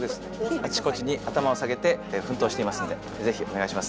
あちこちに頭を下げて奮闘していますのでぜひお願いします。